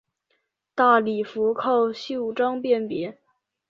大礼服靠袖章辨别。